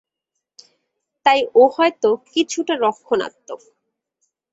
তাই ও হয়তো কিছুটা রক্ষণাত্মক।